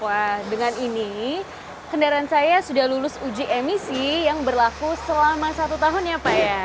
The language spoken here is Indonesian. wah dengan ini kendaraan saya sudah lulus uji emisi yang berlaku selama satu tahun ya pak ya